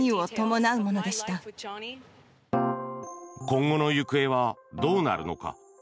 今後の行方はどうなるのか。